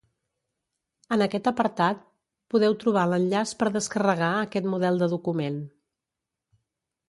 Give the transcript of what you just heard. En aquest apartat podeu trobar l'enllaç per descarregar aquest model de document.